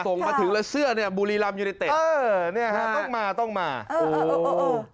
ส่งมาถึงละเสื้อบูรีรำอยู่ในเตะต้องมาโอ้โฮ